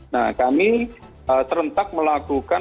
nah kami terhentak melakukan